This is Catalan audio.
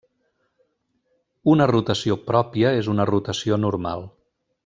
Una rotació pròpia és una rotació normal.